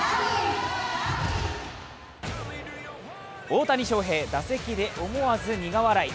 大谷翔平、打席で思わず苦笑い。